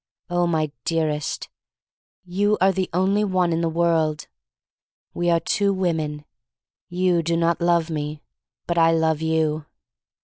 "Oh, my dearest — you are the only one in the world! "We are two women. You do p^t love me, but I love you.